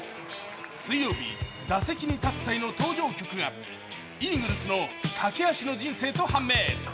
水曜日、打席に立つ際の登場曲がイーグルスの「駆け足の人生」と判明。